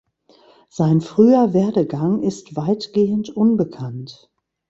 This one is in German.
Sein früher Werdegang ist weitgehend unbekannt.